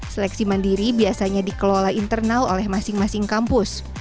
seleksi mandiri biasanya dikelola internal oleh masing masing kampus